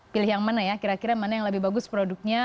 pilih yang mana ya kira kira mana yang lebih bagus produknya